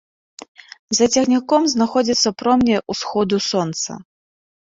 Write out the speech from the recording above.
За цягніком знаходзяцца промні ўсходу сонца.